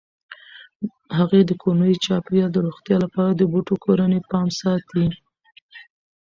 هغې د کورني چاپیریال د روغتیا لپاره د بوټو کرنې پام ساتي.